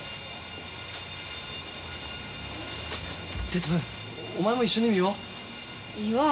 鉄お前も一緒に見よう。